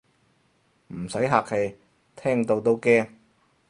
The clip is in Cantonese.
唔使客氣，聽到都驚